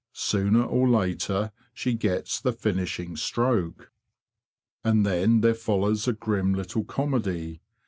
Sooner or later she gets the finishing stroke. And then there follows a grim little comedy.